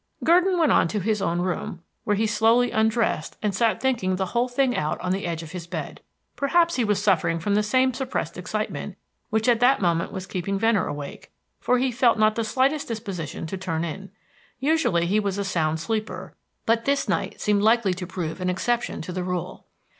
Gurdon went on to his own room, where he slowly undressed and sat thinking the whole thing out on the edge of his bed. Perhaps he was suffering from the same suppressed excitement which at that moment was keeping Venner awake, for he felt not the slightest disposition to turn in. Usually he was a sound sleeper; but this night seemed likely to prove an exception to the rule.